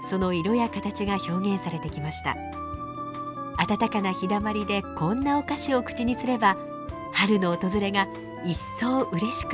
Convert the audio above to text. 暖かな日だまりでこんなお菓子を口にすれば春の訪れが一層うれしく感じられそうですね。